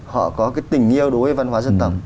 họ có cái tình yêu đối với văn hóa dân tộc